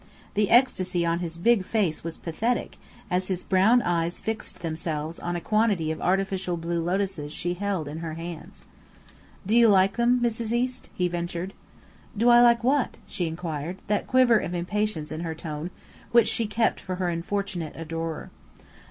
The ecstasy on his big face was pathetic, as his brown eyes fixed themselves on a quantity of artificial blue lotuses she held in her hands. "Do you like 'em, Mrs. East?" he ventured. "Do I like what?" she inquired, that quiver of impatience in her tone which she kept for her unfortunate adorer.